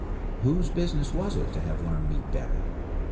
Whose business was it to have learned me better?